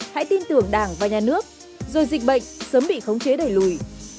hãy tin tưởng đảng và nhà nước rồi dịch bệnh sớm bị khống chế đẩy lùi